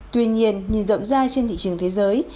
tuy nhiên nhìn rộng ra trên thị trường thế giới